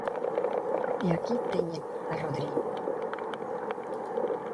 E aquí teñen a Rodri.